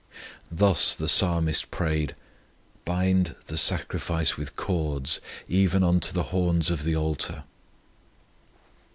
Thus the Psalmist prayed, "Bind the sacrifice with cords, even unto the horns of the altar."